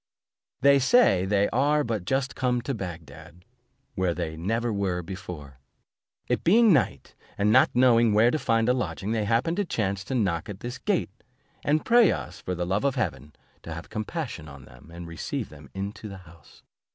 They say, they are but just come to Bagdad, where they never were before; it being night, and not knowing where to find a lodging, they happened by chance to knock at this gate, and pray us, for the love of heaven, to have compassion on them, and receive them into the house.